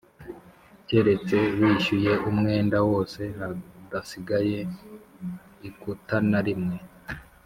keretse wishyuye umwenda wose hadasigaye ikuta na rimwe